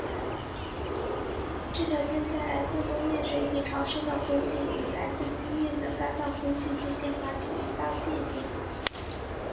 这条线在来自东面水体潮湿的空气与来自西面的干燥空气之间划出一道界限。